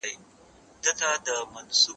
زه به سبا ته فکر کړی وي!؟